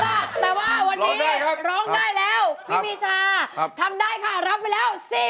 แต่ว่าวันนี้ร้องได้แล้วพี่ปีชาทำได้ค่ะรับไปแล้ว๔๐๐